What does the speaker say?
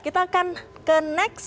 kita akan ke next